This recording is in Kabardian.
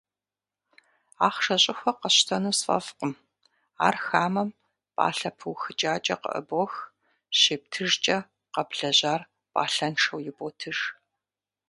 Ахъшэ щӏыхуэ къэсщтэну сфӏэфӏкъым: ар хамэм пӏалъэ пыухыкӏакӏэ къыӏыбох, щептыжкӏэ - къэблэжьар пӏалъэншэу иботыж.